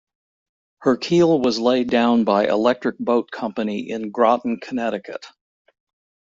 Her keel was laid down by Electric Boat Company in Groton, Connecticut.